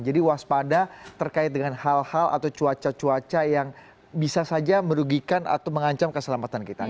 jadi waspada terkait dengan hal hal atau cuaca cuaca yang bisa saja merugikan atau mengancam keselamatan kita